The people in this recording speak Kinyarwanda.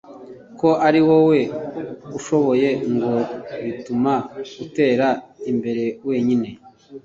ko ari wowe ushoboye ngo bituma utera imbere wenyine